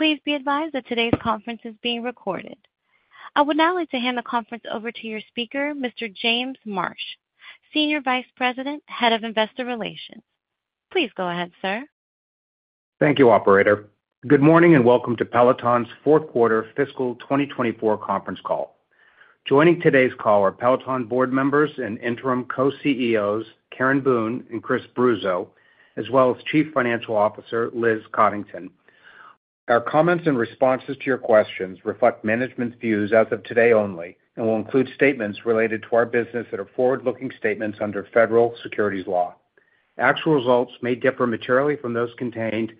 Please be advised that today's conference is being recorded. I would now like to hand the conference over to your speaker, Mr. James Marsh, Senior Vice President, Head of Investor Relations. Please go ahead, sir. Thank you, operator. Good morning, and welcome to Peloton's Fourth Quarter Fiscal 2024 Conference Call. Joining today's call are Peloton board members and Interim Co-CEOs Karen Boone and Chris Bruzzo, as well as Chief Financial Officer Liz Coddington. Our comments and responses to your questions reflect management's views as of today only, and will include statements related to our business that are forward-looking statements under federal securities law. Actual results may differ materially from those contained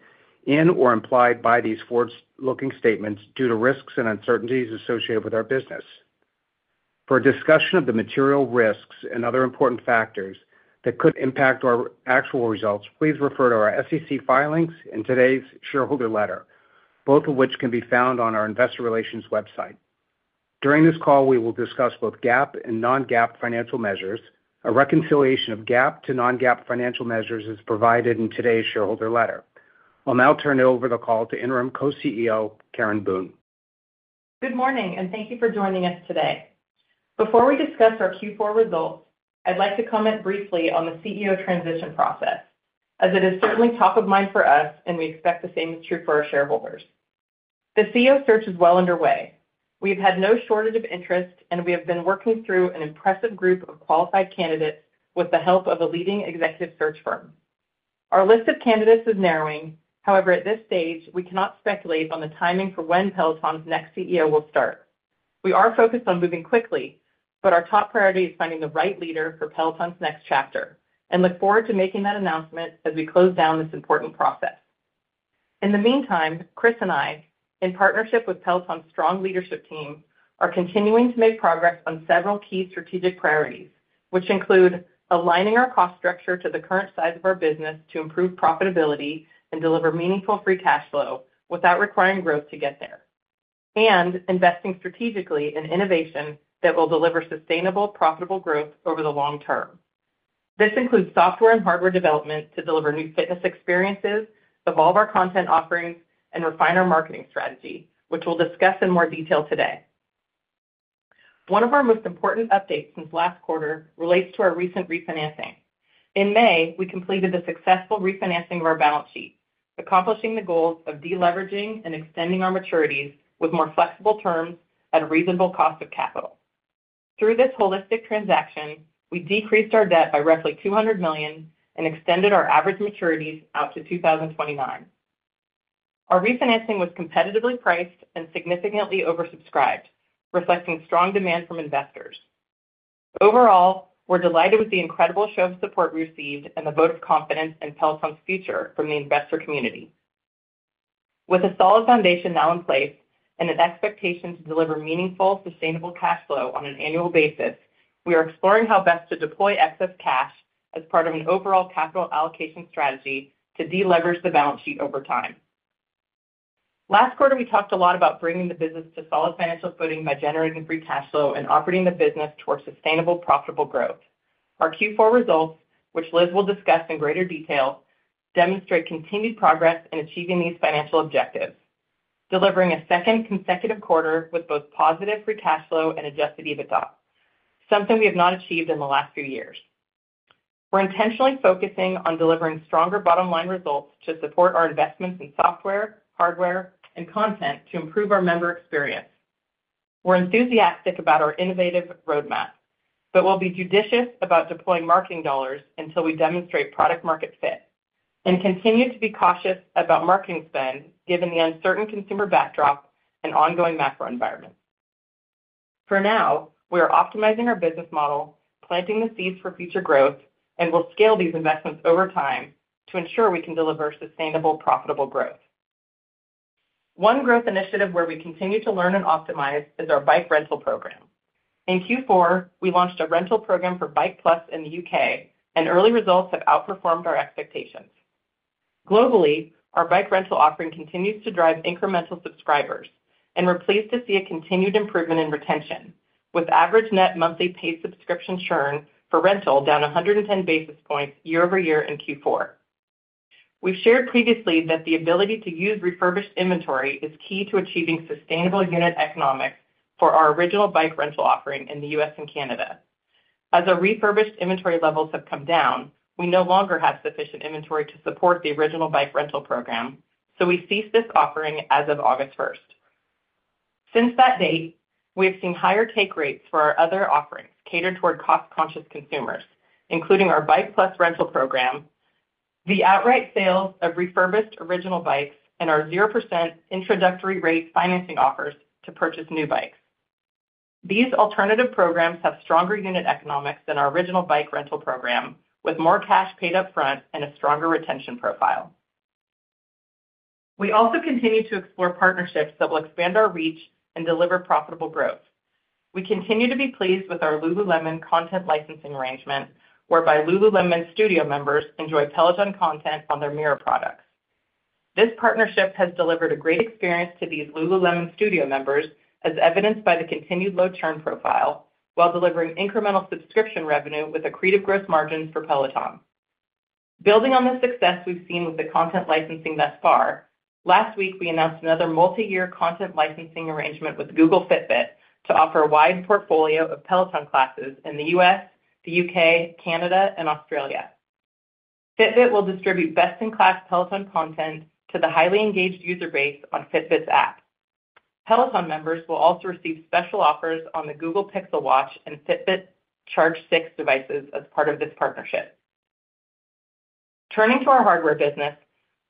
in or implied by these forward-looking statements due to risks and uncertainties associated with our business. For a discussion of the material risks and other important factors that could impact our actual results, please refer to our SEC filings and today's shareholder letter, both of which can be found on our investor relations website. During this call, we will discuss both GAAP and non-GAAP financial measures. A reconciliation of GAAP to non-GAAP financial measures is provided in today's shareholder letter. I'll now turn over the call to Interim Co-CEO Karen Boone. Good morning, and thank you for joining us today. Before we discuss our Q4 results, I'd like to comment briefly on the CEO transition process, as it is certainly top of mind for us, and we expect the same is true for our shareholders. The CEO search is well underway. We've had no shortage of interest, and we have been working through an impressive group of qualified candidates with the help of a leading executive search firm. Our list of candidates is narrowing. However, at this stage, we cannot speculate on the timing for when Peloton's next CEO will start. We are focused on moving quickly, but our top priority is finding the right leader for Peloton's next chapter and look forward to making that announcement as we close down this important process. In the meantime, Chris and I, in partnership with Peloton's strong leadership team, are continuing to make progress on several key strategic priorities, which include aligning our cost structure to the current size of our business to improve profitability and deliver meaningful free cash flow without requiring growth to get there, and investing strategically in innovation that will deliver sustainable, profitable growth over the long term. This includes software and hardware development to deliver new fitness experiences, evolve our content offerings, and refine our marketing strategy, which we'll discuss in more detail today. One of our most important updates since last quarter relates to our recent refinancing. In May, we completed the successful refinancing of our balance sheet, accomplishing the goals of deleveraging and extending our maturities with more flexible terms at a reasonable cost of capital. Through this holistic transaction, we decreased our debt by roughly $200 million and extended our average maturities out to 2029. Our refinancing was competitively priced and significantly oversubscribed, reflecting strong demand from investors. Overall, we're delighted with the incredible show of support we received and the vote of confidence in Peloton's future from the investor community. With a solid foundation now in place and an expectation to deliver meaningful, sustainable cash flow on an annual basis, we are exploring how best to deploy excess cash as part of an overall capital allocation strategy to deleverage the balance sheet over time. Last quarter, we talked a lot about bringing the business to solid financial footing by generating free cash flow and operating the business towards sustainable, profitable growth. Our Q4 results, which Liz will discuss in greater detail, demonstrate continued progress in achieving these financial objectives, delivering a second consecutive quarter with both positive free cash flow and adjusted EBITDA, something we have not achieved in the last few years. We're intentionally focusing on delivering stronger bottom-line results to support our investments in software, hardware, and content to improve our member experience. We're enthusiastic about our innovative roadmap, but we'll be judicious about deploying marketing dollars until we demonstrate product-market fit and continue to be cautious about marketing spend, given the uncertain consumer backdrop and ongoing macro environment. For now, we are optimizing our business model, planting the seeds for future growth, and will scale these investments over time to ensure we can deliver sustainable, profitable growth. One growth initiative where we continue to learn and optimize is our bike rental program. In Q4, we launched a rental program for Bike+ in the U.K., and early results have outperformed our expectations. Globally, our bike rental offering continues to drive incremental subscribers, and we're pleased to see a continued improvement in retention, with average net monthly paid subscription churn for rental down a hundred and ten basis points year-over-year in Q4. We've shared previously that the ability to use refurbished inventory is key to achieving sustainable unit economics for our original bike rental offering in the U.S. and Canada. As our refurbished inventory levels have come down, we no longer have sufficient inventory to support the original bike rental program, so we ceased this offering as of August first. Since that date, we have seen higher take rates for our other offerings catered toward cost-conscious consumers, including our Bike+ rental program, the outright sale of refurbished original bikes, and our 0% introductory rate financing offers to purchase new bikes. These alternative programs have stronger unit economics than our original bike rental program, with more cash paid upfront and a stronger retention profile. We also continue to explore partnerships that will expand our reach and deliver profitable growth. We continue to be pleased with our Lululemon content licensing arrangement, whereby Lululemon Studio members enjoy Peloton content on their Mirror products. This partnership has delivered a great experience to these Lululemon Studio members, as evidenced by the continued low churn profile, while delivering incremental subscription revenue with accretive gross margins for Peloton. Building on the success we've seen with the content licensing thus far, last week, we announced another multi-year content licensing arrangement with Google Fitbit to offer a wide portfolio of Peloton classes in the U.S., the U.K., Canada, and Australia. Fitbit will distribute best-in-class Peloton content to the highly engaged user base on Fitbit's app. Peloton members will also receive special offers on the Google Pixel Watch and Fitbit Charge 6 devices as part of this partnership. Turning to our hardware business,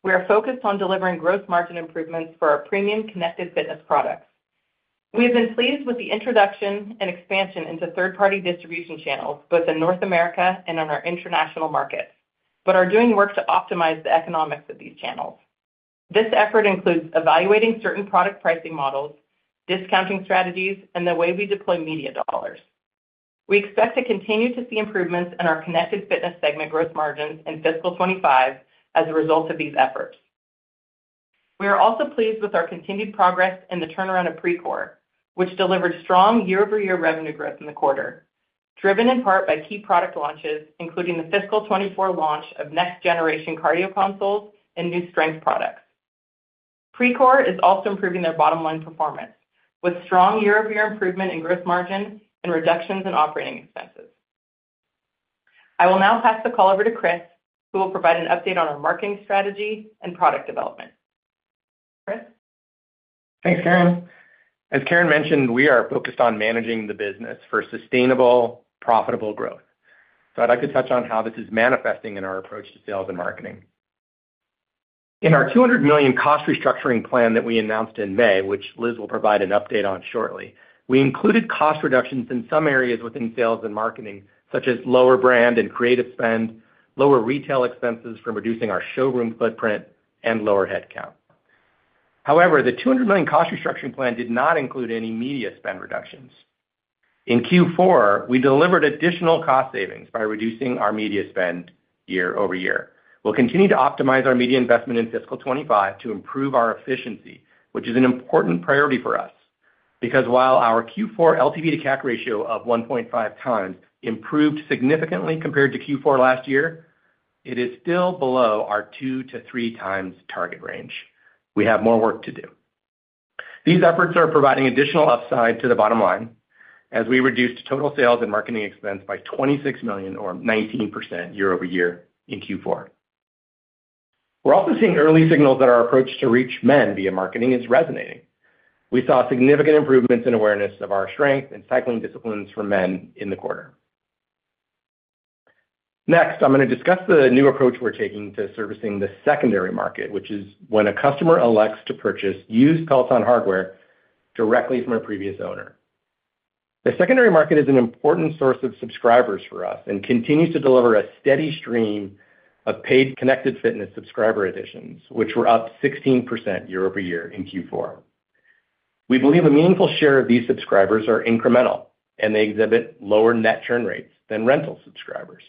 we are focused on delivering gross margin improvements for our premium Connected Fitness products. We have been pleased with the introduction and expansion into third-party distribution channels, both in North America and in our international markets, but are doing work to optimize the economics of these channels. This effort includes evaluating certain product pricing models, discounting strategies, and the way we deploy media dollars. We expect to continue to see improvements in our Connected Fitness segment gross margins in fiscal 2025 as a result of these efforts. We are also pleased with our continued progress in the turnaround of Precor, which delivered strong year-over-year revenue growth in the quarter, driven in part by key product launches, including the fiscal 2024 launch of next-generation cardio consoles and new strength products. Precor is also improving their bottom-line performance, with strong year-over-year improvement in gross margins and reductions in operating expenses. I will now pass the call over to Chris, who will provide an update on our marketing strategy and product development. Chris? Thanks, Karen. As Karen mentioned, we are focused on managing the business for sustainable, profitable growth. I'd like to touch on how this is manifesting in our approach to sales and marketing. In our $200 million cost restructuring plan that we announced in May, which Liz will provide an update on shortly, we included cost reductions in some areas within sales and marketing, such as lower brand and creative spend, lower retail expenses from reducing our showroom footprint, and lower headcount. However, the $200 million cost restructuring plan did not include any media spend reductions. In Q4, we delivered additional cost savings by reducing our media spend year-over-year. We'll continue to optimize our media investment in fiscal 2025 to improve our efficiency, which is an important priority for us. Because while our Q4 LTV to CAC ratio of 1.5 times improved significantly compared to Q4 last year, it is still below our 2-3 times target range. We have more work to do. These efforts are providing additional upside to the bottom line as we reduced total sales and marketing expense by $26 million or 19% year-over-year in Q4. We're also seeing early signals that our approach to reach men via marketing is resonating. We saw significant improvements in awareness of our strength and cycling disciplines for men in the quarter. Next, I'm gonna discuss the new approach we're taking to servicing the secondary market, which is when a customer elects to purchase used Peloton hardware directly from a previous owner. The Secondary Market is an important source of subscribers for us and continues to deliver a steady stream of paid, Connected Fitness subscriber additions, which were up 16% year-over-year in Q4. We believe a meaningful share of these subscribers are incremental, and they exhibit lower net churn rates than rental subscribers.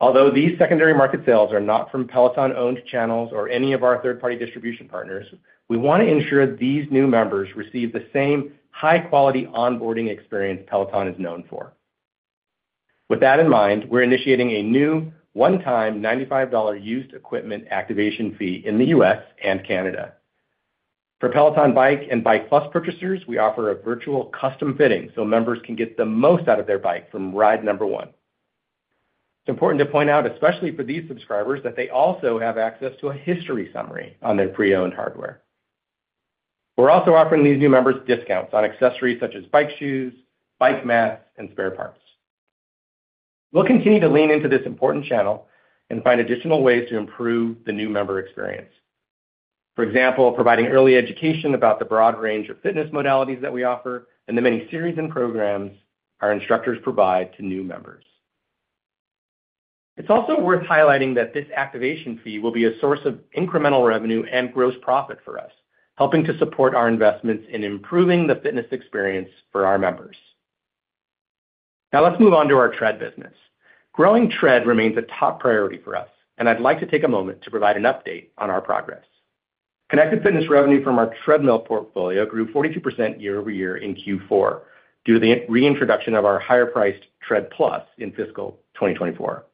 Although these Secondary Market sales are not from Peloton-owned channels or any of our third-party distribution partners, we want to ensure these new members receive the same high-quality onboarding experience Peloton is known for. With that in mind, we're initiating a new one-time $95 used equipment activation fee in the U.S. and Canada. For Peloton Bike and Bike+ purchasers, we offer a virtual custom fitting, so members can get the most out of their bike from ride number one. It's important to point out, especially for these subscribers, that they also have access to a history summary on their pre-owned hardware. We're also offering these new members discounts on accessories such as Bike shoes, Bike mats, and spare parts. We'll continue to lean into this important channel and find additional ways to improve the new member experience. For example, providing early education about the broad range of fitness modalities that we offer and the many series and programs our instructors provide to new members. It's also worth highlighting that this activation fee will be a source of incremental revenue and gross profit for us, helping to support our investments in improving the fitness experience for our members. Now, let's move on to our Tread business. Growing Tread remains a top priority for us, and I'd like to take a moment to provide an update on our progress. Connected Fitness revenue from our treadmill portfolio grew 42% year-over-year in Q4, due to the reintroduction of our higher-priced Tread+ in fiscal 2024.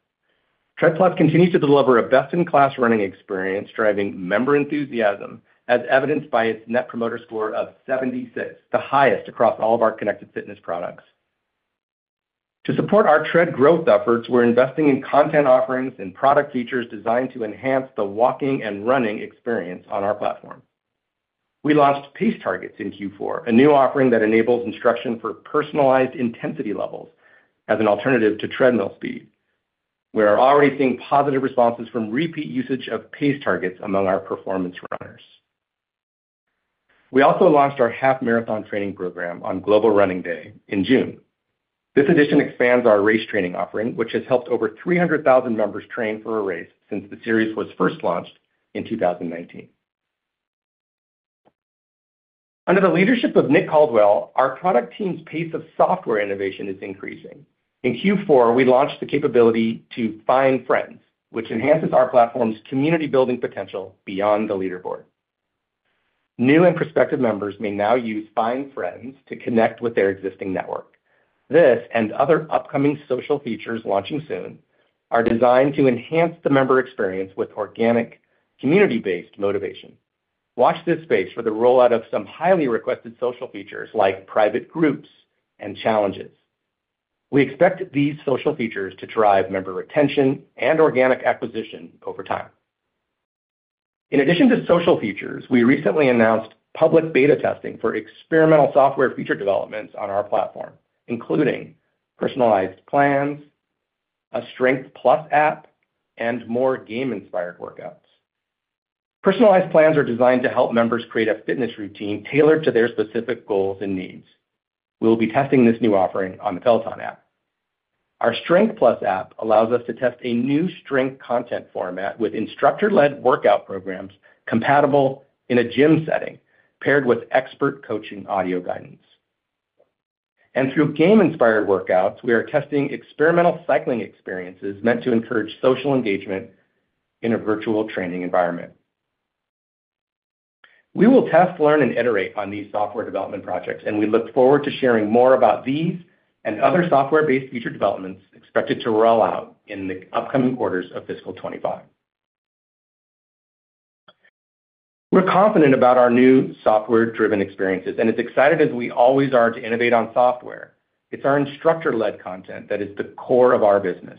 Tread+ continues to deliver a best-in-class running experience, driving member enthusiasm, as evidenced by its Net Promoter Score of 76, the highest across all of our Connected Fitness products. To support our tread growth efforts, we're investing in content offerings and product features designed to enhance the walking and running experience on our platform. We launched Pace Targets in Q4, a new offering that enables instruction for personalized intensity levels as an alternative to treadmill speed. We are already seeing positive responses from repeat usage of pace targets among our performance runners. We also launched our half-marathon training program on Global Running Day in June. This addition expands our race training offering, which has helped over 300,000 members train for a race since the series was first launched in 2019. Under the leadership of Nick Caldwell, our product team's pace of software innovation is increasing. In Q4, we launched the capability to Find Friends, which enhances our platform's community-building potential beyond the leaderboard. New and prospective members may now use Find Friends to connect with their existing network. This and other upcoming social features launching soon are designed to enhance the member experience with organic, community-based motivation. Watch this space for the rollout of some highly requested social features, like private groups and challenges. We expect these social features to drive member retention and organic acquisition over time. In addition to social features, we recently announced public beta testing for experimental software feature developments on our platform, including personalized plans, a Strength+ app, and more game-inspired workouts. Personalized plans are designed to help members create a fitness routine tailored to their specific goals and needs. We'll be testing this new offering on the Peloton app. Our Strength+ app allows us to test a new strength content format with instructor-led workout programs compatible in a gym setting, paired with expert coaching audio guidance. And through game-inspired workouts, we are testing experimental cycling experiences meant to encourage social engagement in a virtual training environment. We will test, learn, and iterate on these software development projects, and we look forward to sharing more about these and other software-based feature developments expected to roll out in the upcoming quarters of fiscal 2025. We're confident about our new software-driven experiences, and as excited as we always are to innovate on software, it's our instructor-led content that is the core of our business.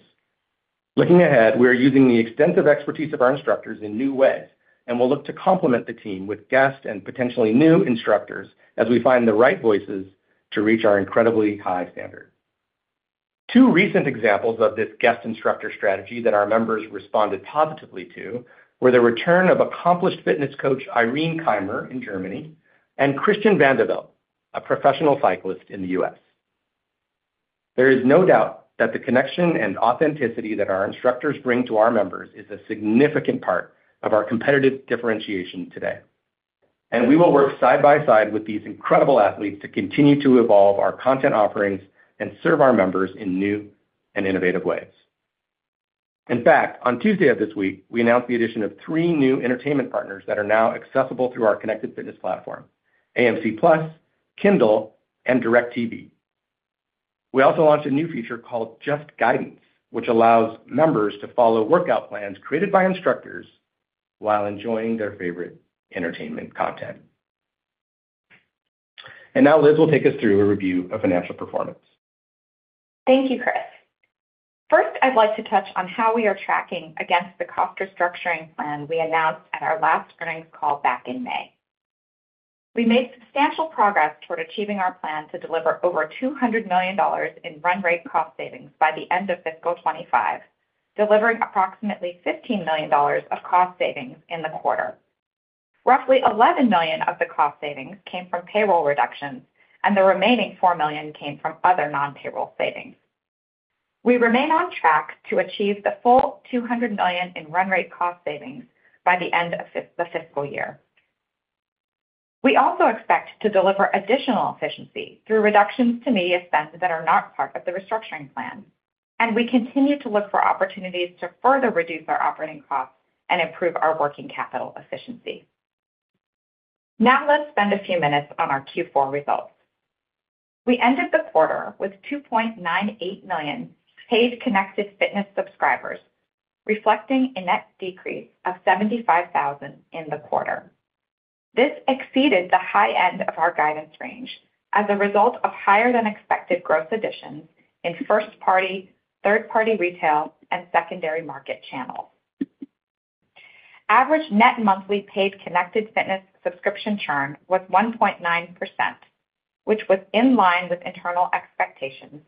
Looking ahead, we are using the extensive expertise of our instructors in new ways, and we'll look to complement the team with guest and potentially new instructors as we find the right voices to reach our incredibly high standard. Two recent examples of this guest instructor strategy that our members responded positively to were the return of accomplished fitness coach Irène Scholz in Germany, and Christian Vande Velde, a professional cyclist in the U.S. There is no doubt that the connection and authenticity that our instructors bring to our members is a significant part of our competitive differentiation today, and we will work side by side with these incredible athletes to continue to evolve our content offerings and serve our members in new and innovative ways. In fact, on Tuesday of this week, we announced the addition of three new entertainment partners that are now accessible through our Connected Fitness platform, AMC+, Kindle, and DIRECTV. We also launched a new feature called Just Guidance, which allows members to follow workout plans created by instructors while enjoying their favorite entertainment content. Now Liz will take us through a review of financial performance. Thank you, Chris. First, I'd like to touch on how we are tracking against the cost restructuring plan we announced at our last earnings call back in May. We made substantial progress toward achieving our plan to deliver over $200 million in run rate cost savings by the end of fiscal 2025, delivering approximately $15 million of cost savings in the quarter. Roughly $11 million of the cost savings came from payroll reductions, and the remaining $4 million came from other non-payroll savings. We remain on track to achieve the full $200 million in run rate cost savings by the end of the fiscal year. We also expect to deliver additional efficiency through reductions to media spends that are not part of the restructuring plan, and we continue to look for opportunities to further reduce our operating costs and improve our working capital efficiency. Now, let's spend a few minutes on our Q4 results. We ended the quarter with 2.98 million paid Connected Fitness subscribers, reflecting a net decrease of 75,000 in the quarter. This exceeded the high end of our guidance range as a result of higher than expected gross additions in first-party, third-party retail, and secondary market channels. Average net monthly paid Connected Fitness subscription churn was 1.9%, which was in line with internal expectations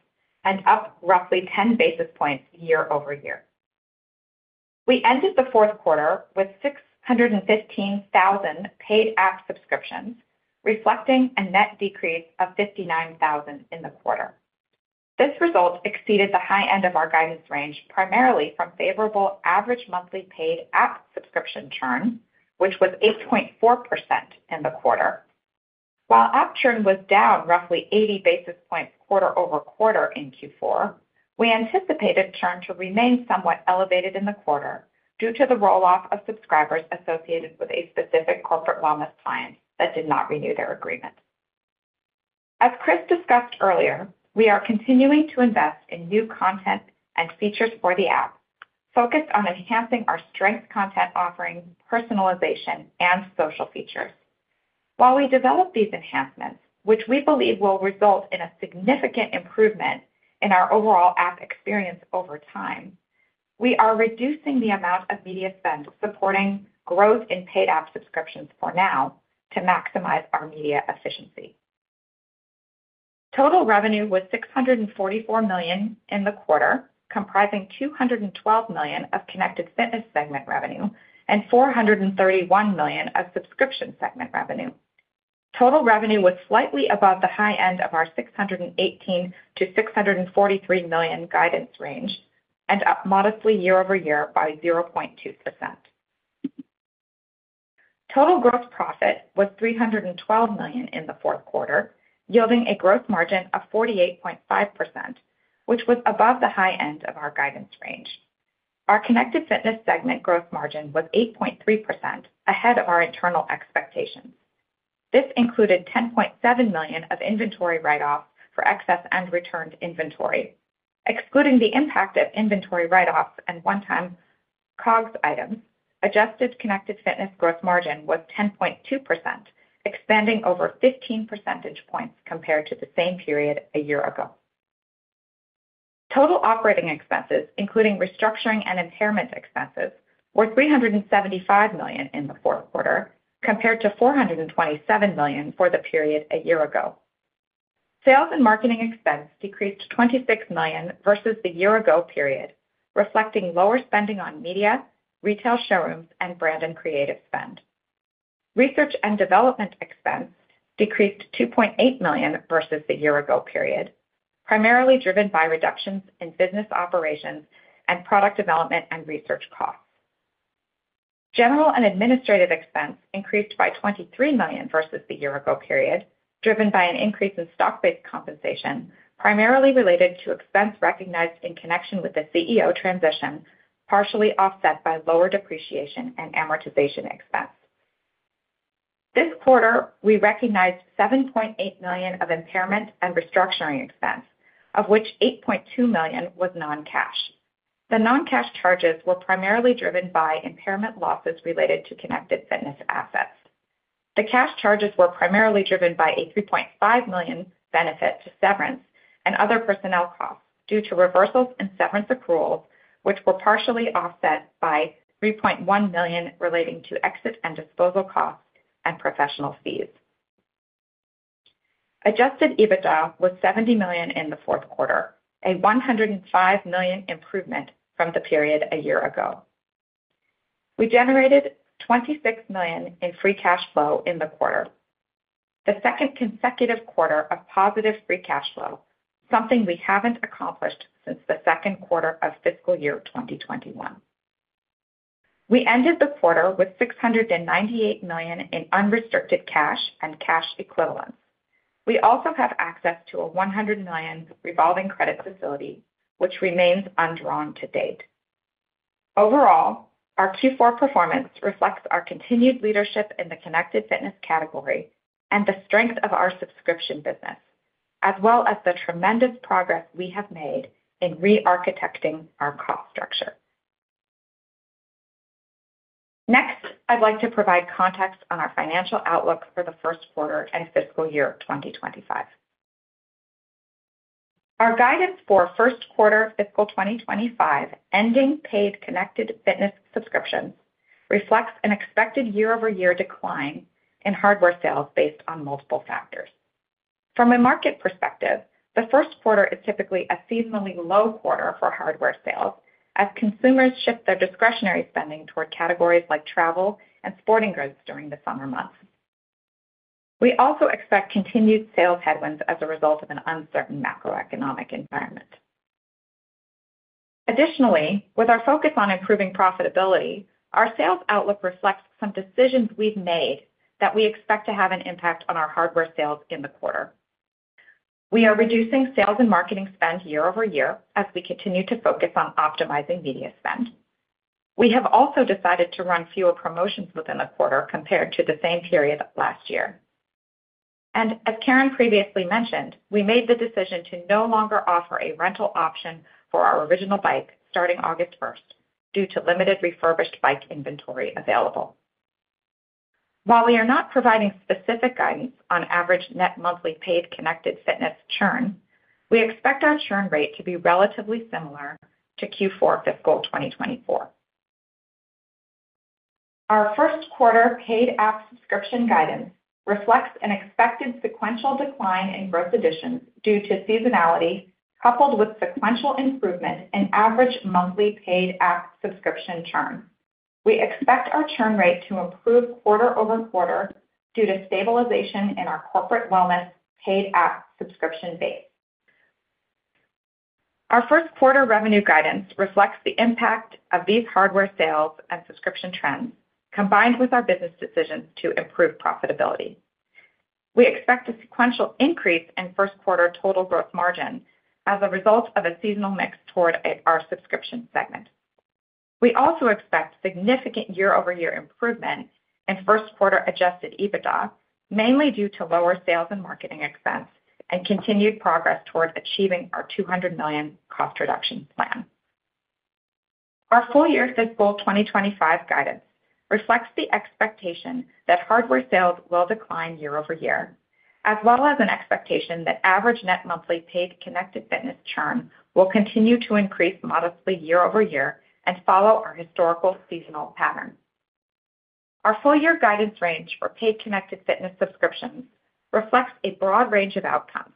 and up roughly 10 basis points year-over-year. We ended the fourth quarter with 615,000 paid app subscriptions, reflecting a net decrease of 59,000 in the quarter. This result exceeded the high end of our guidance range, primarily from favorable average monthly paid app subscription churn, which was 8.4% in the quarter. While app churn was down roughly eighty basis points quarter over quarter in Q4, we anticipated churn to remain somewhat elevated in the quarter due to the roll-off of subscribers associated with a specific corporate wellness client that did not renew their agreement. As Chris discussed earlier, we are continuing to invest in new content and features for the app, focused on enhancing our strength content offerings, personalization, and social features. While we develop these enhancements, which we believe will result in a significant improvement in our overall app experience over time, we are reducing the amount of media spend supporting growth in paid app subscriptions for now to maximize our media efficiency. Total revenue was $644 million in the quarter, comprising $212 million of Connected Fitness segment revenue and $431 million of Subscription segment revenue. Total revenue was slightly above the high end of our $618 million-$643 million guidance range, and up modestly year-over-year by 0.2%. Total gross profit was $312 million in the fourth quarter, yielding a gross margin of 48.5%, which was above the high end of our guidance range. Our Connected Fitness segment gross margin was 8.3%, ahead of our internal expectations. This included $10.7 million of inventory write-offs for excess and returned inventory. Excluding the impact of inventory write-offs and one-time COGS items, adjusted Connected Fitness gross margin was 10.2%, expanding over 15 percentage points compared to the same period a year ago. Total operating expenses, including restructuring and impairment expenses, were $375 million in the fourth quarter, compared to $427 million for the period a year ago. Sales and marketing expense decreased to $26 million versus the year ago period, reflecting lower spending on media, retail showrooms, and brand and creative spend. Research and development expense decreased $2.8 million versus the year ago period, primarily driven by reductions in business operations and product development and research costs. General and administrative expense increased by $23 million versus the year ago period, driven by an increase in stock-based compensation, primarily related to expense recognized in connection with the CEO transition, partially offset by lower depreciation and amortization expense. This quarter, we recognized $7.8 million of impairment and restructuring expense, of which $8.2 million was non-cash. The non-cash charges were primarily driven by impairment losses related to Connected Fitness assets. The cash charges were primarily driven by a $3.5 million benefit to severance and other personnel costs due to reversals in severance accruals, which were partially offset by $3.1 million relating to exit and disposal costs and professional fees. Adjusted EBITDA was $70 million in the fourth quarter, a $105 million improvement from the period a year ago. We generated $26 million in Free Cash Flow in the quarter, the second consecutive quarter of positive Free Cash Flow, something we haven't accomplished since the second quarter of fiscal year 2021. We ended the quarter with $698 million in unrestricted cash and cash equivalents. We also have access to a $100 million revolving credit facility, which remains undrawn to date. Overall, our Q4 performance reflects our continued leadership in the Connected Fitness category and the strength of our subscription business, as well as the tremendous progress we have made in re-architecting our cost structure. Next, I'd like to provide context on our financial outlook for the first quarter and fiscal year 2025. Our guidance for first quarter fiscal 2025, ending paid Connected Fitness subscriptions, reflects an expected year-over-year decline in hardware sales based on multiple factors. From a market perspective, the first quarter is typically a seasonally low quarter for hardware sales as consumers shift their discretionary spending toward categories like travel and sporting goods during the summer months. We also expect continued sales headwinds as a result of an uncertain macroeconomic environment. Additionally, with our focus on improving profitability, our sales outlook reflects some decisions we've made that we expect to have an impact on our hardware sales in the quarter. We are reducing sales and marketing spend year-over-year as we continue to focus on optimizing media spend. We have also decided to run fewer promotions within the quarter compared to the same period last year. And as Karen previously mentioned, we made the decision to no longer offer a rental option for our original bike starting August first, due to limited refurbished bike inventory available. While we are not providing specific guidance on average net monthly paid Connected Fitness churn, we expect our churn rate to be relatively similar to Q4 fiscal 2024. Our first quarter paid app subscription guidance reflects an expected sequential decline in gross additions due to seasonality, coupled with sequential improvement in average monthly paid app subscription churn. We expect our churn rate to improve quarter over quarter due to stabilization in our corporate wellness paid app subscription base. Our first quarter revenue guidance reflects the impact of these hardware sales and subscription trends, combined with our business decisions to improve profitability. We expect a sequential increase in first quarter total gross margin as a result of a seasonal mix toward our subscription segment. We also expect significant year-over-year improvement in first quarter Adjusted EBITDA, mainly due to lower sales and marketing expense and continued progress toward achieving our $200 million cost reduction plan. Our full year fiscal 2025 guidance reflects the expectation that hardware sales will decline year-over-year, as well as an expectation that average net monthly paid Connected Fitness churn will continue to increase modestly year-over-year and follow our historical seasonal pattern. Our full year guidance range for paid Connected Fitness subscriptions reflects a broad range of outcomes.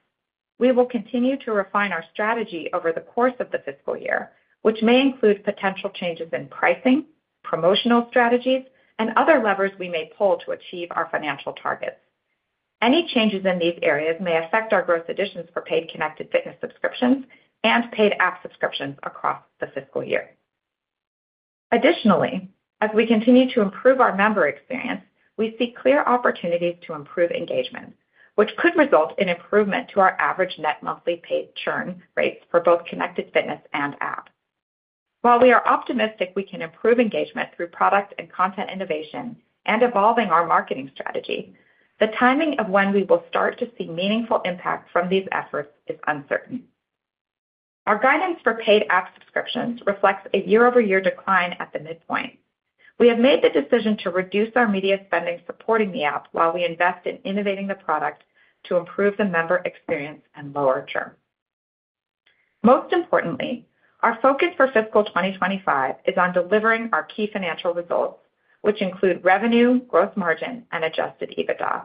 We will continue to refine our strategy over the course of the fiscal year, which may include potential changes in pricing, promotional strategies, and other levers we may pull to achieve our financial targets. Any changes in these areas may affect our gross additions for paid Connected Fitness subscriptions and paid app subscriptions across the fiscal year.... Additionally, as we continue to improve our member experience, we see clear opportunities to improve engagement, which could result in improvement to our average net monthly paid churn rates for both Connected Fitness and App. While we are optimistic we can improve engagement through product and content innovation and evolving our marketing strategy, the timing of when we will start to see meaningful impact from these efforts is uncertain. Our guidance for paid app subscriptions reflects a year-over-year decline at the midpoint. We have made the decision to reduce our media spending supporting the app while we invest in innovating the product to improve the member experience and lower churn. Most importantly, our focus for fiscal 2025 is on delivering our key financial results, which include revenue, gross margin, and Adjusted EBITDA.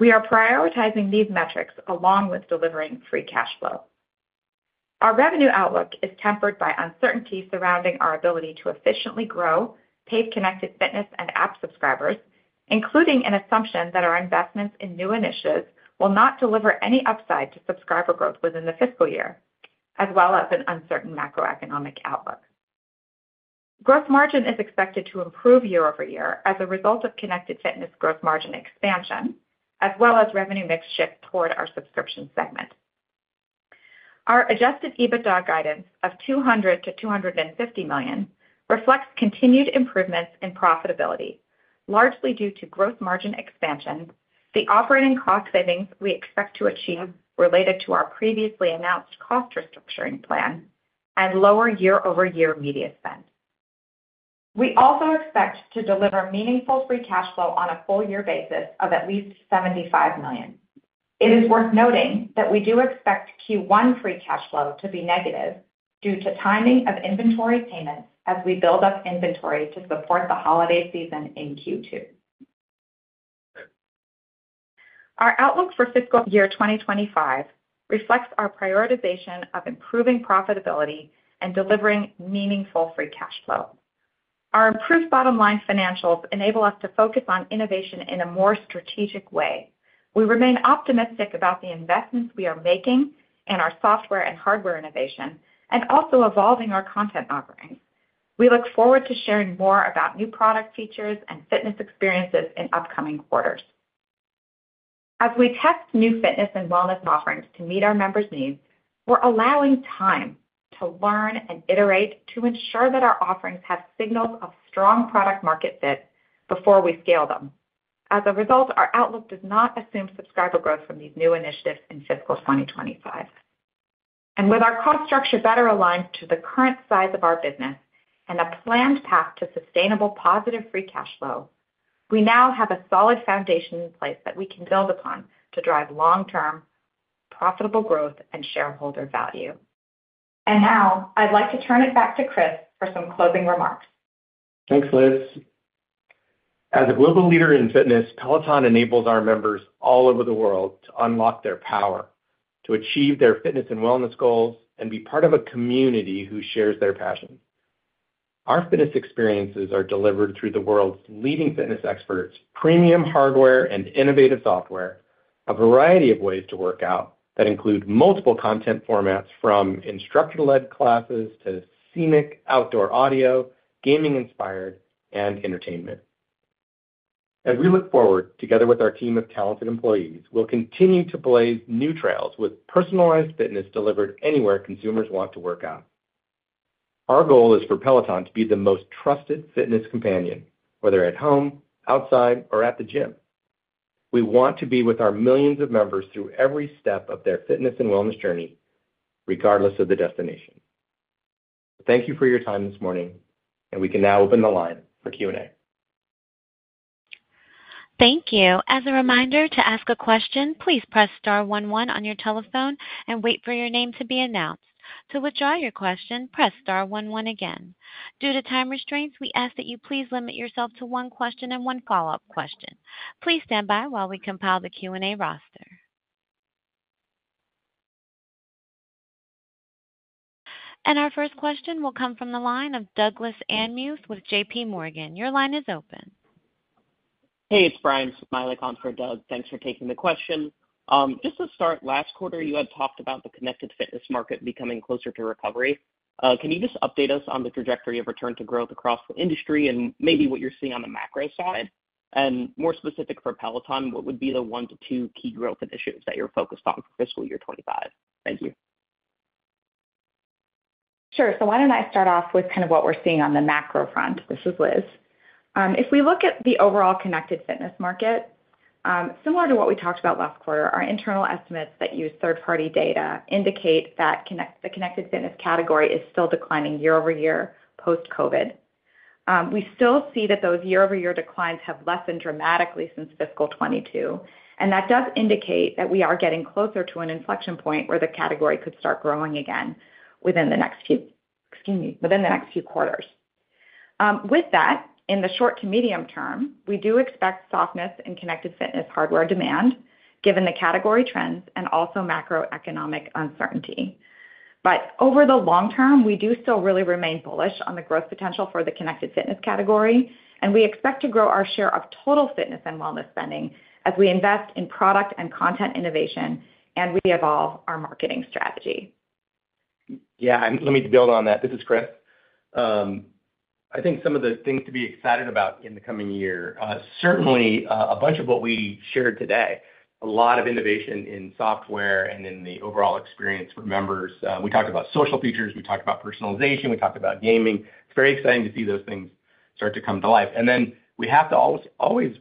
We are prioritizing these metrics along with delivering free cash flow. Our revenue outlook is tempered by uncertainty surrounding our ability to efficiently grow paid Connected Fitness and App subscribers, including an assumption that our investments in new initiatives will not deliver any upside to subscriber growth within the fiscal year, as well as an uncertain macroeconomic outlook. Gross margin is expected to improve year-over-year as a result of Connected Fitness gross margin expansion, as well as revenue mix shift toward our subscription segment. Our Adjusted EBITDA guidance of $200 million-$250 million reflects continued improvements in profitability, largely due to gross margin expansion, the operating cost savings we expect to achieve related to our previously announced cost restructuring plan, and lower year-over-year media spend. We also expect to deliver meaningful free cash flow on a full year basis of at least $75 million. It is worth noting that we do expect Q1 free cash flow to be negative due to timing of inventory payments as we build up inventory to support the holiday season in Q2. Our outlook for fiscal year 2025 reflects our prioritization of improving profitability and delivering meaningful free cash flow. Our improved bottom-line financials enable us to focus on innovation in a more strategic way. We remain optimistic about the investments we are making in our software and hardware innovation, and also evolving our content offerings. We look forward to sharing more about new product features and fitness experiences in upcoming quarters. As we test new fitness and wellness offerings to meet our members' needs, we're allowing time to learn and iterate to ensure that our offerings have signals of strong product market fit before we scale them. As a result, our outlook does not assume subscriber growth from these new initiatives in fiscal 2025. And with our cost structure better aligned to the current size of our business and a planned path to sustainable positive free cash flow, we now have a solid foundation in place that we can build upon to drive long-term profitable growth and shareholder value. And now, I'd like to turn it back to Chris for some closing remarks. Thanks, Liz. As a global leader in fitness, Peloton enables our members all over the world to unlock their power, to achieve their fitness and wellness goals, and be part of a community who shares their passion. Our fitness experiences are delivered through the world's leading fitness experts, premium hardware and innovative software, a variety of ways to work out that include multiple content formats from instructor-led classes to scenic, outdoor audio, gaming-inspired, and entertainment. As we look forward, together with our team of talented employees, we'll continue to blaze new trails with personalized fitness delivered anywhere consumers want to work out. Our goal is for Peloton to be the most trusted fitness companion, whether at home, outside, or at the gym. We want to be with our millions of members through every step of their fitness and wellness journey, regardless of the destination. Thank you for your time this morning, and we can now open the line for Q&A. Thank you. As a reminder, to ask a question, please press star one one on your telephone and wait for your name to be announced. To withdraw your question, press star one one again. Due to time restraints, we ask that you please limit yourself to one question and one follow-up question. Please stand by while we compile the Q&A roster, and our first question will come from the line of Douglas Anmuth with J.P. Morgan. Your line is open. Hey, it's Brian Smilek on for Doug. Thanks for taking the question. Just to start, last quarter, you had talked about the Connected Fitness market becoming closer to recovery. Can you just update us on the trajectory of return to growth across the industry and maybe what you're seeing on the macro side? And more specific for Peloton, what would be the one to two key growth initiatives that you're focused on for fiscal year 2025? Thank you. Sure, so why don't I start off with kind of what we're seeing on the macro front? This is Liz. If we look at the overall Connected Fitness market, similar to what we talked about last quarter, our internal estimates that use third-party data indicate that the Connected Fitness category is still declining year-over-year, post-COVID. We still see that those year-over-year declines have lessened dramatically since fiscal 2022, and that does indicate that we are getting closer to an inflection point where the category could start growing again within the next few quarters. With that, in the short to medium term, we do expect softness in Connected Fitness hardware demand, given the category trends and also macroeconomic uncertainty. But over the long term, we do still really remain bullish on the growth potential for the Connected Fitness category, and we expect to grow our share of total fitness and wellness spending as we invest in product and content innovation and re-evolve our marketing strategy. Yeah, and let me build on that. This is Chris. I think some of the things to be excited about in the coming year, certainly, a bunch of what we shared today, a lot of innovation in software and in the overall experience with members. We talked about social features, we talked about personalization, we talked about gaming. It's very exciting to see those things start to come to life. And then we have to always, always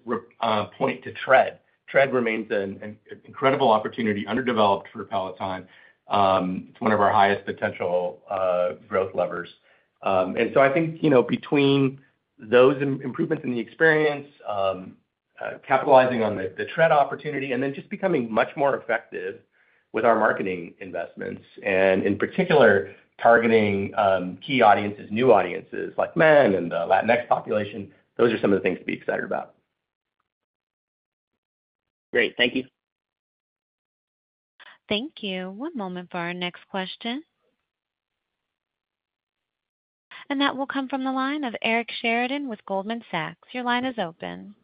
point to Tread. Tread remains an incredible opportunity, underdeveloped for Peloton. It's one of our highest potential growth levers. And so I think, you know, between those improvements in the experience, capitalizing on the Tread opportunity, and then just becoming much more effective with our marketing investments, and in particular, targeting key audiences, new audiences, like men and the Latinx population, those are some of the things to be excited about. Great. Thank you. Thank you. One moment for our next question, and that will come from the line of Eric Sheridan with Goldman Sachs. Your line is open.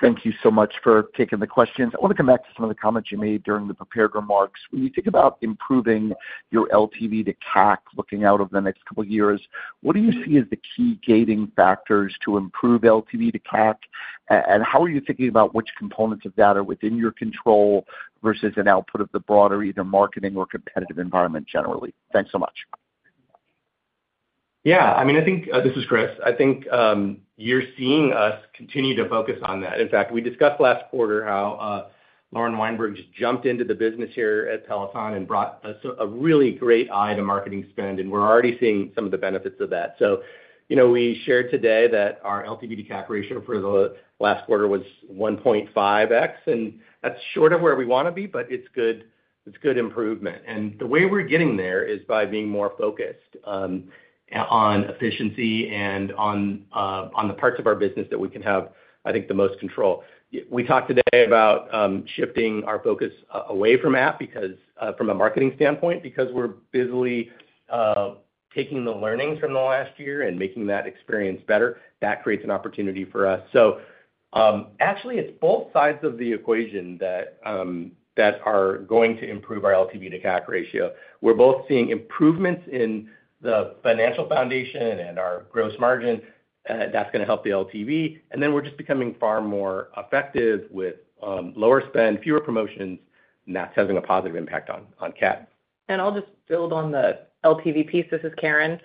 Thank you so much for taking the questions. I want to come back to some of the comments you made during the prepared remarks. When you think about improving your LTV to CAC, looking out over the next couple of years, what do you see as the key gating factors to improve LTV to CAC? And how are you thinking about which components of that are within your control versus an output of the broader, either marketing or competitive environment generally? Thanks so much. Yeah, I mean, I think... this is Chris. I think, you're seeing us continue to focus on that. In fact, we discussed last quarter how, Lauren Weinberg's jumped into the business here at Peloton and brought us a really great eye to marketing spend, and we're already seeing some of the benefits of that. So, you know, we shared today that our LTV to CAC ratio for the last quarter was 1.5x, and that's short of where we want to be, but it's good, it's good improvement. And the way we're getting there is by being more focused, on efficiency and on the parts of our business that we can have, I think, the most control. We talked today about shifting our focus away from app because from a marketing standpoint, because we're busily taking the learnings from the last year and making that experience better. That creates an opportunity for us. So actually, it's both sides of the equation that are going to improve our LTV to CAC ratio. We're both seeing improvements in the financial foundation and our gross margin. That's gonna help the LTV, and then we're just becoming far more effective with lower spend, fewer promotions, and that's having a positive impact on CAC. I'll just build on the LTV piece. This is Karen.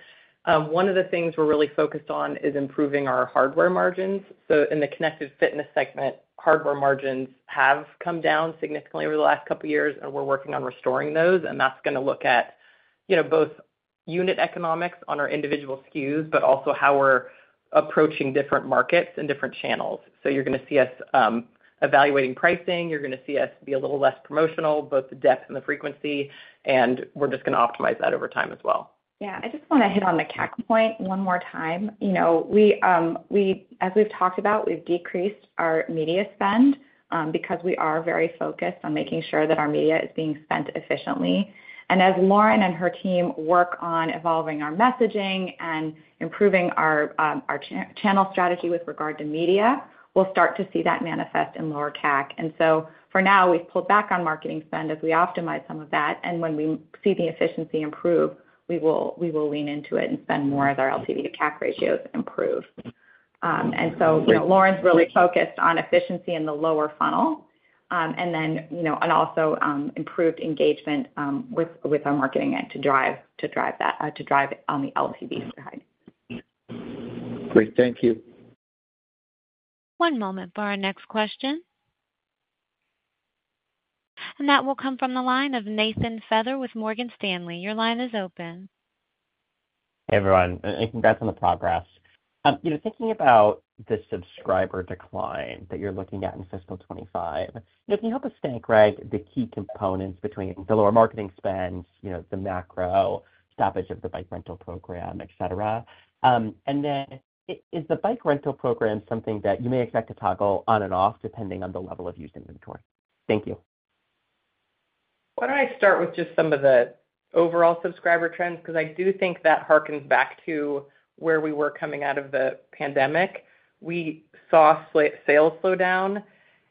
One of the things we're really focused on is improving our hardware margins. In the Connected Fitness segment, hardware margins have come down significantly over the last couple of years, and we're working on restoring those, and that's gonna look at, you know, both unit economics on our individual SKUs, but also how we're approaching different markets and different channels. You're gonna see us evaluating pricing, you're gonna see us be a little less promotional, both the depth and the frequency, and we're just gonna optimize that over time as well. Yeah, I just wanna hit on the CAC point one more time. You know, we, as we've talked about, we've decreased our media spend, because we are very focused on making sure that our media is being spent efficiently. And as Lauren and her team work on evolving our messaging and improving our channel strategy with regard to media, we'll start to see that manifest in lower CAC. And so for now, we've pulled back on marketing spend as we optimize some of that, and when we see the efficiency improve, we will lean into it and spend more as our LTV to CAC ratios improve. And so, you know, Lauren's really focused on efficiency in the lower funnel, and then, you know, and also improved engagement with our marketing end to drive that on the LTV side. Great. Thank you. One moment for our next question, and that will come from the line of Nathan Feather with Morgan Stanley. Your line is open. Hey, everyone, and congrats on the progress. You know, thinking about the subscriber decline that you're looking at in fiscal 2025, if you help us think, right, the key components between the lower marketing spends, you know, the macro, stoppage of the bike rental program, et cetera, and then is the bike rental program something that you may expect to toggle on and off, depending on the level of used inventory? Thank you. Why don't I start with just some of the overall subscriber trends? Because I do think that harkens back to where we were coming out of the pandemic. We saw slight sales slow down,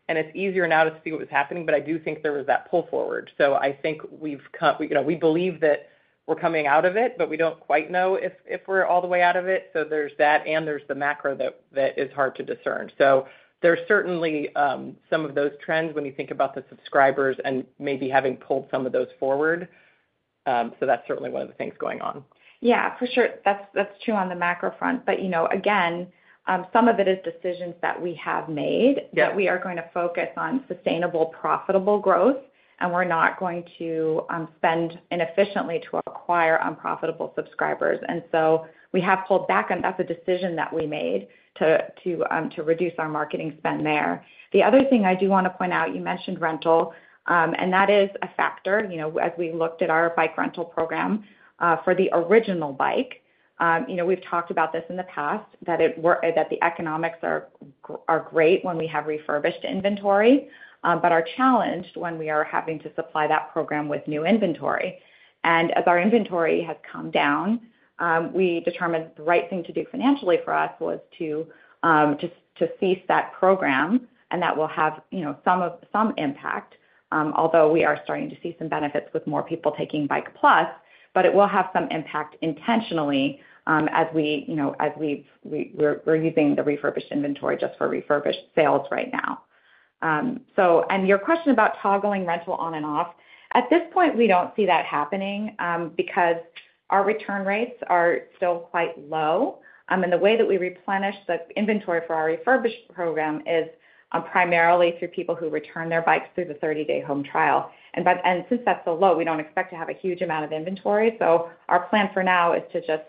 and it's easier now to see what was happening, but I do think there was that pull forward. So I think we've you know, we believe that we're coming out of it, but we don't quite know if we're all the way out of it. So there's that, and there's the macro that is hard to discern. So there's certainly some of those trends when you think about the subscribers and maybe having pulled some of those forward. So that's certainly one of the things going on. Yeah, for sure. That's true on the macro front. But, you know, again, some of it is decisions that we have made that we are gonna focus on sustainable, profitable growth, and we're not going to spend inefficiently to acquire unprofitable subscribers. And so we have pulled back, and that's a decision that we made to reduce our marketing spend there. The other thing I do want to point out, you mentioned rental, and that is a factor. You know, as we looked at our bike rental program, for the original bike, you know, we've talked about this in the past, that the economics are great when we have refurbished inventory, but are challenged when we are having to supply that program with new inventory. As our inventory has come down, we determined the right thing to do financially for us was to just to cease that program, and that will have, you know, some impact, although we are starting to see some benefits with more people taking Bike+, but it will have some impact intentionally, as we, you know, as we're using the refurbished inventory just for refurbished sales right now. So and your question about toggling rental on and off, at this point, we don't see that happening, because our return rates are still quite low. And the way that we replenish the inventory for our refurbished program is primarily through people who return their bikes through the thirty-day home trial. And since that's so low, we don't expect to have a huge amount of inventory. Our plan for now is to just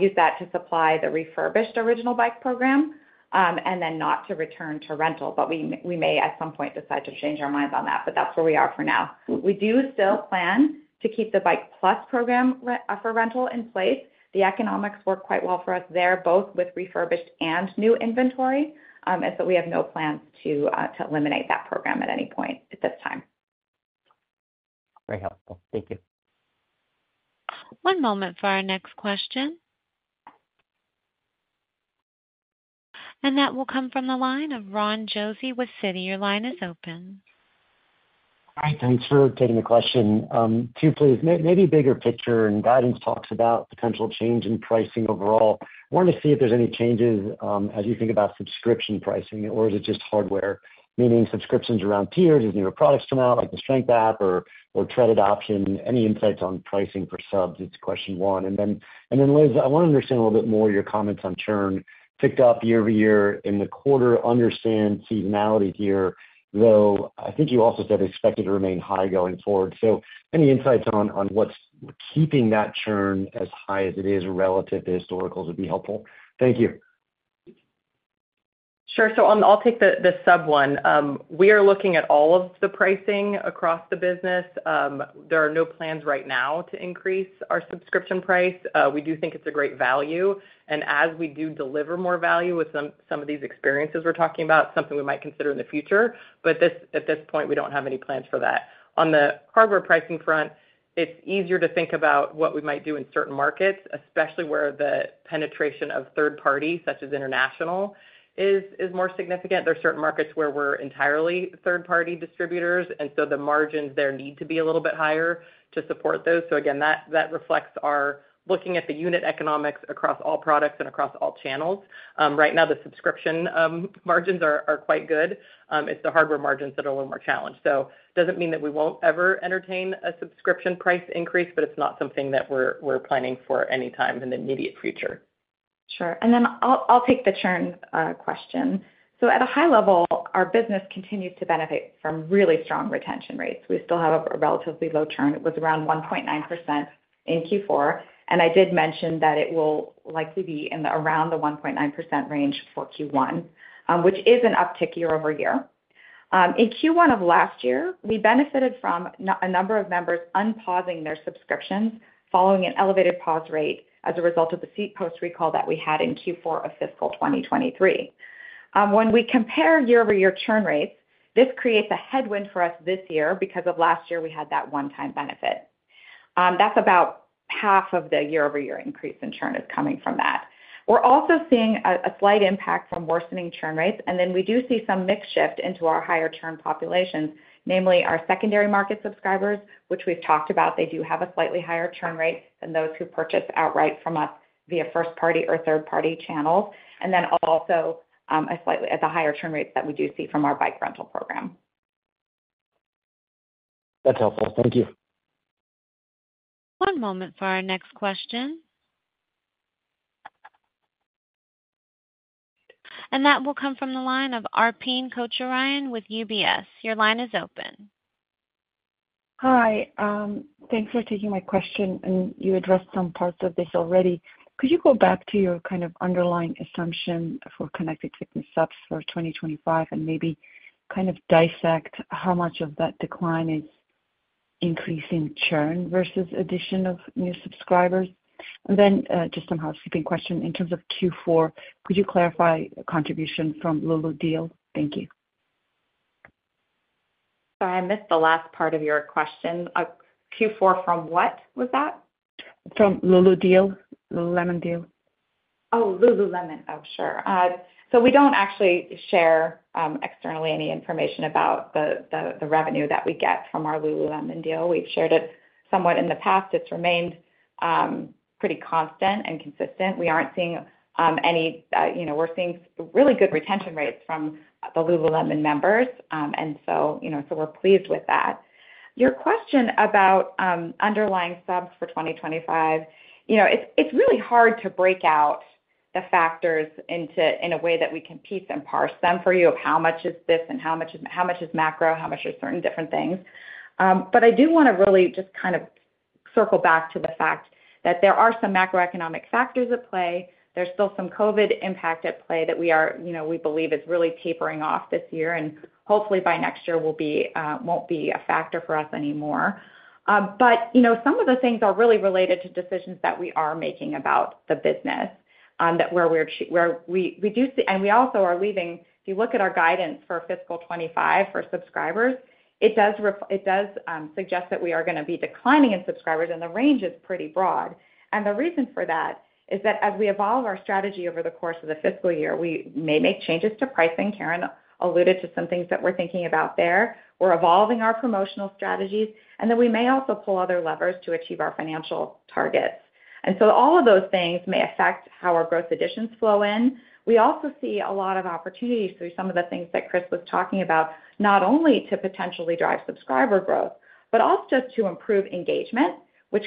use that to supply the refurbished original Bike program, and then not to return to rental. But we may, at some point, decide to change our minds on that, but that's where we are for now. We do still plan to keep the Bike+ program for rental in place. The economics work quite well for us there, both with refurbished and new inventory. And so we have no plans to eliminate that program at any point at this time. Very helpful. Thank you. One moment for our next question and that will come from the line of Ron Josey with Citi. Your line is open. Hi, thanks for taking the question. Two, please. Maybe bigger picture and guidance talks about potential change in pricing overall. I wanted to see if there's any changes as you think about subscription pricing, or is it just hardware? Meaning subscriptions around tiers as newer products come out, like the strength app or tread adoption. Any insights on pricing for subs? It's question one. And then, Liz, I wanna understand a little bit more your comments on churn ticked up year-over-year in the quarter. Understand seasonality here, though. I think you also said expected to remain high going forward. Any insights on what's keeping that churn as high as it is relative to historicals would be helpful. Thank you. Sure. So, I'll take the sub one. We are looking at all of the pricing across the business. There are no plans right now to increase our subscription price. We do think it's a great value, and as we do deliver more value with some of these experiences we're talking about, something we might consider in the future, but at this point, we don't have any plans for that. On the hardware pricing front, it's easier to think about what we might do in certain markets, especially where the penetration of third party, such as international, is more significant. There are certain markets where we're entirely third-party distributors, and so the margins there need to be a little bit higher to support those. So again, that reflects our looking at the unit economics across all products and across all channels. Right now, the subscription margins are quite good. It's the hardware margins that are a little more challenged. So doesn't mean that we won't ever entertain a subscription price increase, but it's not something that we're planning for anytime in the immediate future. Sure. And then I'll take the churn question. So at a high level, our business continues to benefit from really strong retention rates. We still have a relatively low churn. It was around 1.9% in Q4, and I did mention that it will likely be around the 1.9% range for Q1, which is an uptick year-over-year. In Q1 of last year, we benefited from a number of members unpausing their subscriptions following an elevated pause rate as a result of the seat post recall that we had in Q4 of fiscal 2023. When we compare year-over-year churn rates, this creates a headwind for us this year because of last year, we had that one-time benefit. That's about half of the year-over-year increase in churn is coming from that. We're also seeing a slight impact from worsening churn rates, and then we do see some mix shift into our higher churn populations, namely our Secondary Market subscribers, which we've talked about. They do have a slightly higher churn rate than those who purchase outright from us via first party or third-party channels, and then also a slightly higher churn rates that we do see from our bike rental program. That's helpful. Thank you. One moment for our next question, and that will come from the line of Arpine Kocharyan with UBS. Your line is open. Hi, thanks for taking my question, and you addressed some parts of this already. Could you go back to your kind of underlying assumption for Connected Fitness subs for 2025 and maybe kind of dissect how much of that decline is increasing churn versus addition of new subscribers? And then, just some housekeeping question. In terms of Q4, could you clarify contribution from Lululemon deal? Thank you. Sorry, I missed the last part of your question. Q4 from what was that? From Lululemon deal. Oh, Lululemon. Oh, sure. So we don't actually share externally any information about the revenue that we get from our Lululemon deal. We've shared it somewhat in the past. It's remained pretty constant and consistent. We aren't seeing any, you know, we're seeing really good retention rates from the Lululemon members, and so, you know, so we're pleased with that. Your question about underlying subs for 2025, you know, it's really hard to break out the factors into in a way that we can piece and parse them for you, of how much is this and how much is macro, how much is certain different things. But I do wanna really just kind of circle back to the fact that there are some macroeconomic factors at play. There's still some COVID impact at play that we are, you know, we believe is really tapering off this year, and hopefully by next year, will be won't be a factor for us anymore. You know, some of the things are really related to decisions that we are making about the business, that where we're where we, we do see and we also are leaving. If you look at our guidance for fiscal 2025 for subscribers, it does it does suggest that we are gonna be declining in subscribers, and the range is pretty broad. And the reason for that is that as we evolve our strategy over the course of the fiscal year, we may make changes to pricing. Karen alluded to some things that we're thinking about there. We're evolving our promotional strategies, and then we may also pull other levers to achieve our financial targets. And so all of those things may affect how our gross additions flow in. We also see a lot of opportunities through some of the things that Chris was talking about, not only to potentially drive subscriber growth, but also just to improve engagement, which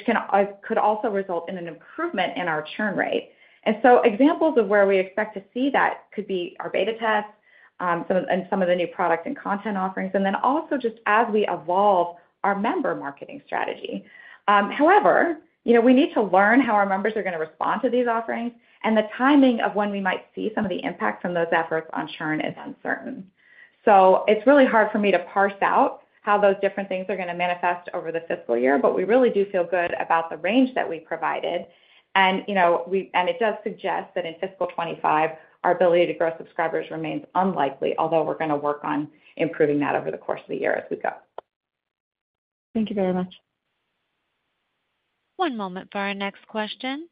could also result in an improvement in our churn rate. And so examples of where we expect to see that could be our beta tests, some of the new products and content offerings, and then also just as we evolve our member marketing strategy. However, you know, we need to learn how our members are going to respond to these offerings, and the timing of when we might see some of the impact from those efforts on churn is uncertain. So it's really hard for me to parse out how those different things are going to manifest over the fiscal year, but we really do feel good about the range that we provided. And, you know, it does suggest that in fiscal 2025, our ability to grow subscribers remains unlikely, although we're going to work on improving that over the course of the year as we go. Thank you very much. One moment for our next question.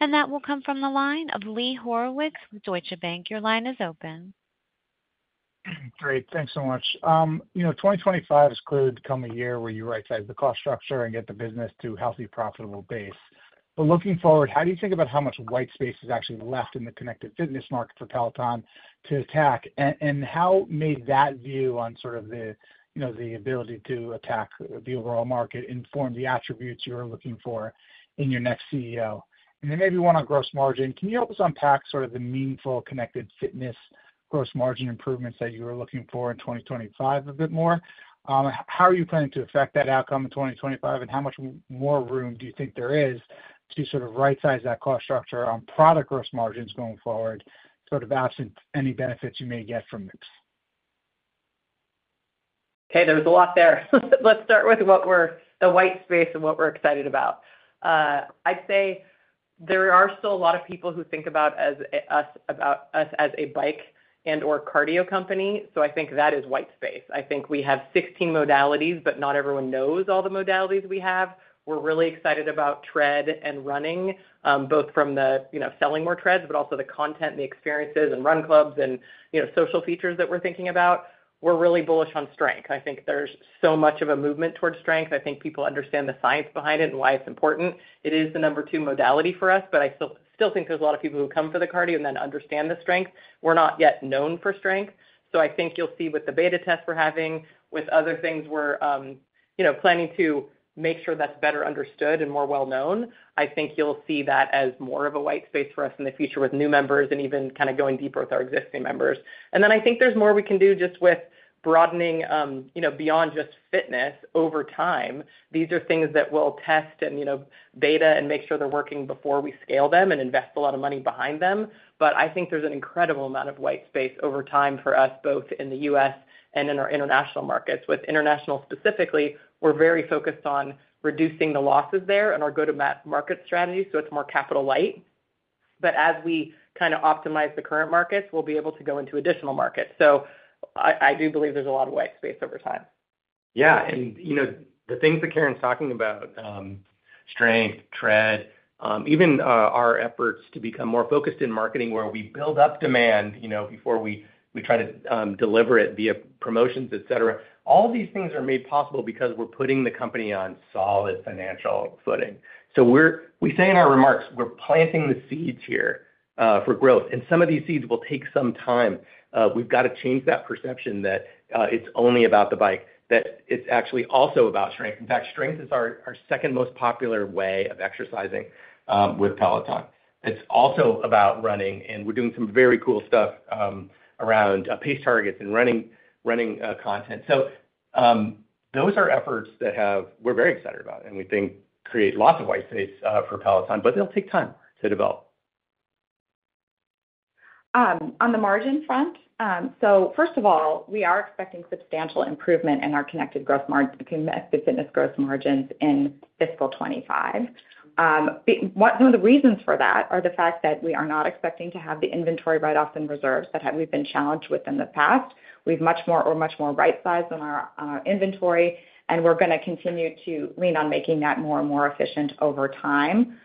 And that will come from the line of Lee Horowitz with Deutsche Bank. Your line is open. Great. Thanks so much. You know, 2025 is clearly become a year where you right-size the cost structure and get the business to healthy, profitable base. But looking forward, how do you think about how much white space is actually left in the Connected Fitness market for Peloton to attack? And how may that view on sort of the, you know, the ability to attack the overall market, inform the attributes you're looking for in your next CEO? And then maybe one on gross margin. Can you help us unpack sort of the meaningful Connected Fitness gross margin improvements that you were looking for in 2025 a bit more? How are you planning to affect that outcome in 2025? And how much more room do you think there is to sort of rightsize that cost structure on product gross margins going forward, sort of absent any benefits you may get from this? Okay, there's a lot there. Let's start with what we're the white space and what we're excited about. I'd say there are still a lot of people who think about us as a bike and/or cardio company, so I think that is white space. I think we have 16 modalities, but not everyone knows all the modalities we have. We're really excited about Tread and running, both from the, you know, selling more Treads, but also the content, the experiences, and run clubs and, you know, social features that we're thinking about. We're really bullish on strength. I think there's so much of a movement towards strength. I think people understand the science behind it and why it's important. It is the number two modality for us, but I still think there's a lot of people who come for the cardio and then understand the strength. We're not yet known for strength, so I think you'll see with the beta test we're having, with other things we're, you know, planning to make sure that's better understood and more well known. I think you'll see that as more of a white space for us in the future with new members and even kind of going deeper with our existing members. And then I think there's more we can do just with broadening, you know, beyond just fitness over time. These are things that we'll test and, you know, beta and make sure they're working before we scale them and invest a lot of money behind them. But I think there's an incredible amount of white space over time for us, both in the U.S. and in our international markets. With international specifically, we're very focused on reducing the losses there and our go-to-market strategy, so it's more capital light. But as we kind of optimize the current markets, we'll be able to go into additional markets. So I do believe there's a lot of white space over time. Yeah, and, you know, the things that Karen's talking about, strength, tread, even, our efforts to become more focused in marketing, where we build up demand, you know, before we, we try to, deliver it via promotions, et cetera. All these things are made possible because we're putting the company on solid financial footing. So we're, we say in our remarks, we're planting the seeds here, for growth, and some of these seeds will take some time. We've got to change that perception that, it's only about the bike, that it's actually also about strength. In fact, strength is our second most popular way of exercising, with Peloton. It's also about running, and we're doing some very cool stuff, around, Pace Targets and running content. So, those are efforts that have... We're very excited about and we think create lots of white space, for Peloton, but they'll take time to develop. On the margin front, so first of all, we are expecting substantial improvement in our connected gross margin, Connected Fitness gross margins in fiscal 2025. One, one of the reasons for that are the fact that we are not expecting to have the inventory write-offs and reserves that we've been challenged with in the past. We've much more, or much more right-sized in our, our inventory, and we're going to continue to lean on making that more and more efficient over time,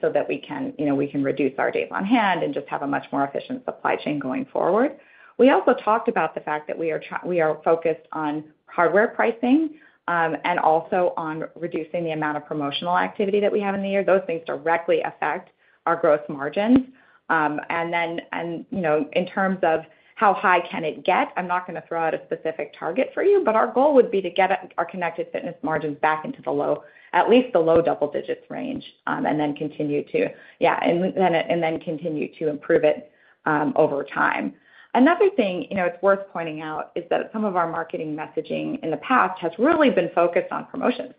so that we can, you know, we can reduce our days on hand and just have a much more efficient supply chain going forward. We also talked about the fact that we are focused on hardware pricing, and also on reducing the amount of promotional activity that we have in the year. Those things directly affect our gross margins, and then, you know, in terms of how high can it get, I'm not going to throw out a specific target for you, but our goal would be to get our Connected Fitness margins back into the low, at least the low double digits range, and then continue to... Yeah, and then continue to improve it over time. Another thing, you know, it's worth pointing out, is that some of our marketing messaging in the past has really been focused on promotions,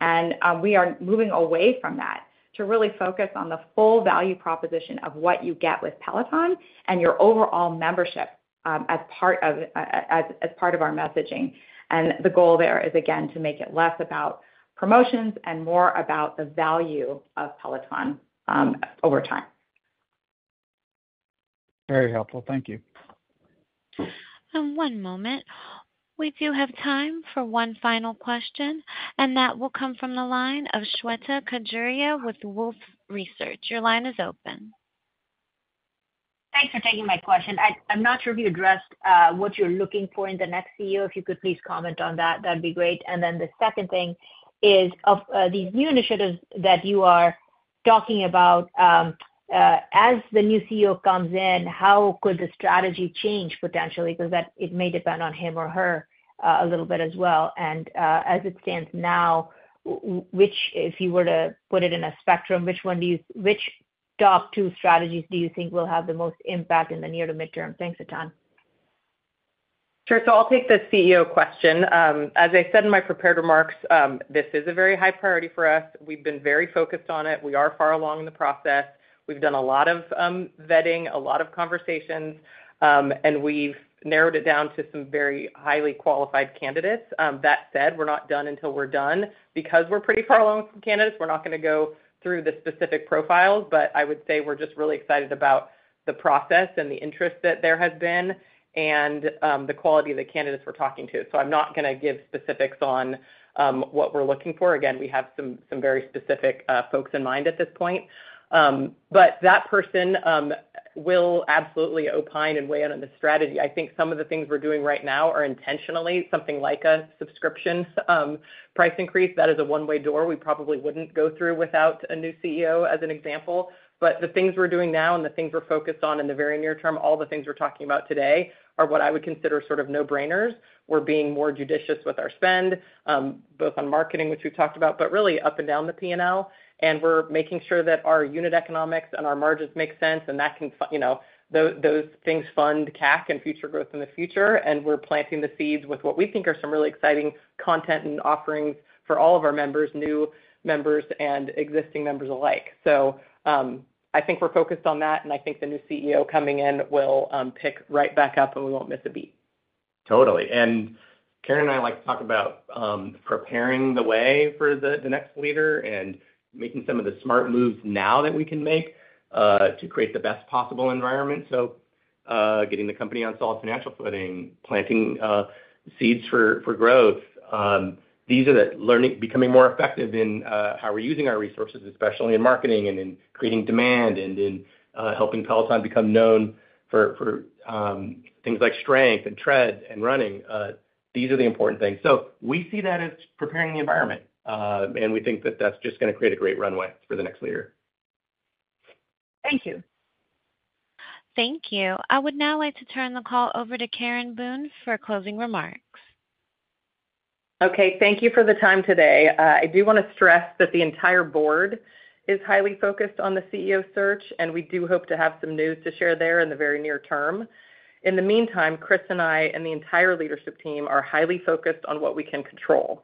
and we are moving away from that to really focus on the full value proposition of what you get with Peloton and your overall membership, as part of our messaging. The goal there is, again, to make it less about promotions and more about the value of Peloton over time. Very helpful. Thank you. One moment. We do have time for one final question, and that will come from the line of Shweta Khajuria with Wolfe Research. Your line is open. Thanks for taking my question. I'm not sure if you addressed what you're looking for in the next CEO. If you could please comment on that, that'd be great. And then the second thing is of these new initiatives that you are talking about, as the new CEO comes in, how could the strategy change potentially? Because that it may depend on him or her a little bit as well. And as it stands now, which, if you were to put it in a spectrum, which top two strategies do you think will have the most impact in the near to midterm? Thanks. Sure. So I'll take the CEO question. As I said in my prepared remarks, this is a very high priority for us. We've been very focused on it. We are far along in the process. We've done a lot of vetting, a lot of conversations, and we've narrowed it down to some very highly qualified candidates. That said, we're not done until we're done. Because we're pretty far along with some candidates, we're not gonna go through the specific profiles, but I would say we're just really excited about the process and the interest that there has been and the quality of the candidates we're talking to. So I'm not gonna give specifics on what we're looking for. Again, we have some very specific folks in mind at this point. But that person will absolutely opine and weigh in on the strategy. I think some of the things we're doing right now are intentionally something like a subscription price increase. That is a one-way door we probably wouldn't go through without a new CEO, as an example. But the things we're doing now and the things we're focused on in the very near term, all the things we're talking about today, are what I would consider sort of no-brainers. We're being more judicious with our spend both on marketing, which we've talked about, but really up and down the P&L, and we're making sure that our unit economics and our margins make sense, and that can, you know, those things fund CAC and future growth in the future. And we're planting the seeds with what we think are some really exciting content and offerings for all of our members, new members and existing members alike. So, I think we're focused on that, and I think the new CEO coming in will pick right back up, and we won't miss a beat. Totally. And Karen and I like to talk about preparing the way for the next leader and making some of the smart moves now that we can make to create the best possible environment. So, getting the company on solid financial footing, planting seeds for growth. These are the learnings, becoming more effective in how we're using our resources, especially in marketing and in creating demand and in helping Peloton become known for things like strength and tread and running. These are the important things. So we see that as preparing the environment, and we think that that's just gonna create a great runway for the next leader. Thank you. Thank you. I would now like to turn the call over to Karen Boone for closing remarks. Okay, thank you for the time today. I do wanna stress that the entire board is highly focused on the CEO search, and we do hope to have some news to share there in the very near term. In the meantime, Chris and I and the entire leadership team are highly focused on what we can control.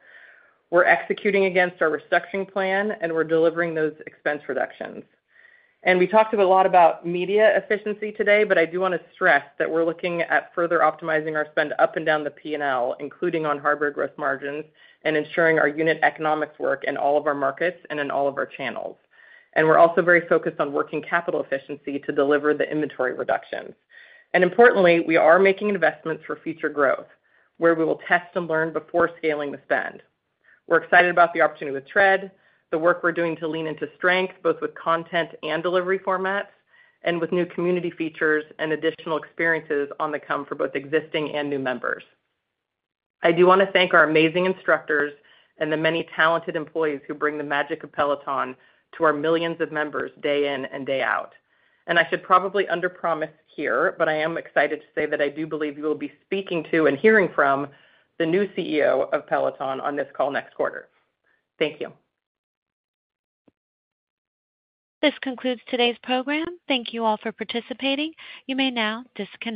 We're executing against our reduction plan, and we're delivering those expense reductions. And we talked a lot about media efficiency today, but I do wanna stress that we're looking at further optimizing our spend up and down the P&L, including on hardware gross margins and ensuring our unit economics work in all of our markets and in all of our channels. And we're also very focused on working capital efficiency to deliver the inventory reductions. Importantly, we are making investments for future growth, where we will test and learn before scaling the spend. We're excited about the opportunity with Tread, the work we're doing to lean into strength, both with content and delivery formats, and with new community features and additional experiences on the come for both existing and new members. I do wanna thank our amazing instructors and the many talented employees who bring the magic of Peloton to our millions of members day in and day out. I should probably underpromise here, but I am excited to say that I do believe you will be speaking to and hearing from the new CEO of Peloton on this call next quarter. Thank you. This concludes today's program. Thank you all for participating. You may now disconnect.